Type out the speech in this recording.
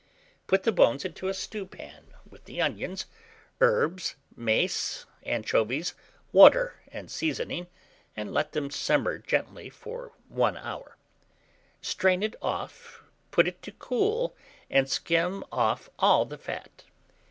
Put the bones into a stewpan with the onions, herbs, mace, anchovies, water, and seasoning, and let them simmer gently for 1 hour. Strain it off, put it to cool, and skim off all the fat.